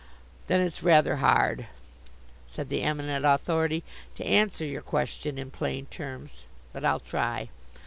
"Then it's rather hard," said the Eminent Authority, "to answer your question in plain terms. But I'll try.